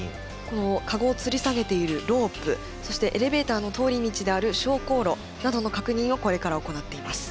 このカゴをつり下げているロープそしてエレベーターの通り道である昇降路などの確認をこれから行っています。